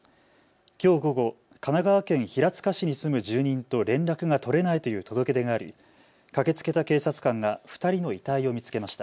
きょう午後、神奈川県平塚市に住む住人と連絡が取れないという届け出があり駆けつけた警察官が２人の遺体を見つけました。